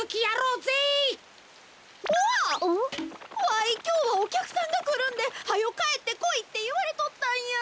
わいきょうはおきゃくさんがくるんではよかえってこいっていわれとったんや！